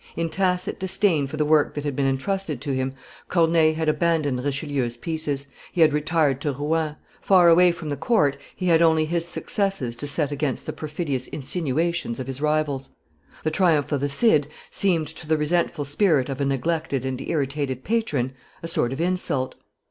In tacit disdain for the work that had been entrusted to him, Corneille had abandoned Richelieu's pieces; he had retired to Rouen; far away from the court, he had only his successes to set against the perfidious insinuations of his rivals. The triumph of the Cid seemed to the resentful spirit of a neglected and irritated patron a sort of insult.